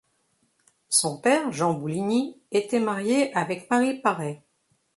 Son père Jean Bouligny était marié avec Marie Paret.